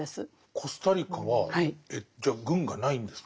コスタリカはじゃあ軍がないんですか？